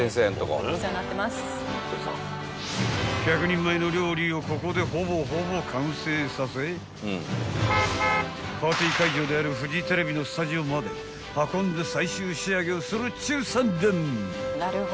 ［１００人前の料理をここでほぼほぼ完成させパーティー会場であるフジテレビのスタジオまで運んで最終仕上げをするっちゅう算段］